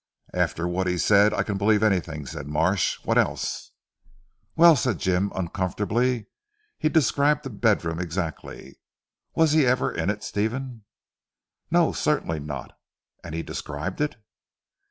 "After what he said I can believe anything" said Marsh, "what else?" "Well," said Jim uncomfortably, "he described the bedroom exactly. Was he ever in it Stephen?" "No; certainly not. And he described it?"